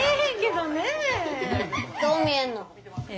どう見えんの？え？